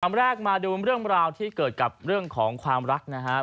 แรกมาดูเรื่องราวที่เกิดกับเรื่องของความรักนะครับ